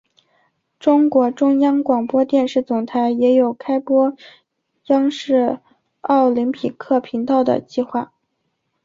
中国中央广播电视总台也有开播央视奥林匹克频道的计划。